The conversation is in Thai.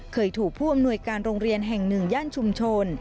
เคยถูกผู้อำนวยการโรงเรียนแห่งหนึ่งย่านชุมชน